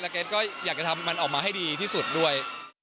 เกรทก็อยากจะทำมันออกมาให้ดีที่สุดด้วย